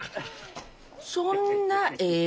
そんなええ